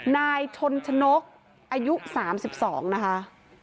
นายชนชนกอายุ๓๒นะคะ